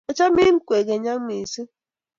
achamin kwekeny ak missing